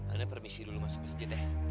ada permisi dulu masuk bisiklet teh